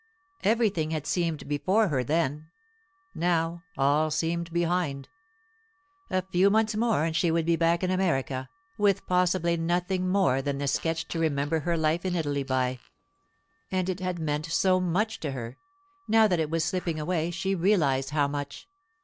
Everything had seemed before her then; now all seemed behind. A few months more and she would be back in America, with possibly nothing more than the sketch to remember her life in Italy by—and it had meant so much to her; now that it was slipping away, she realized how much.